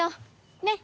ねっ？